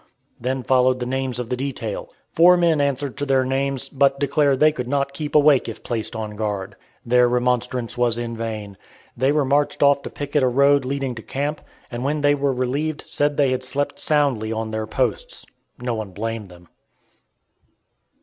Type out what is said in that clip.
then followed the names of the detail. Four men answered to their names, but declared they could not keep awake if placed on guard. Their remonstrance was in vain. They were marched off to picket a road leading to camp, and when they were relieved, said they had slept soundly on their posts. No one blamed them.